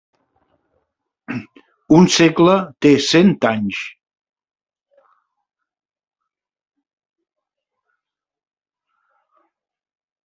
Un segle té cent anys.